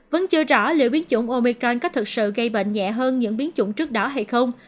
vẫn chưa rõ liệu biến chủng omicron có thực sự gây bệnh nhẹ hơn những biến chủng trước đó hay không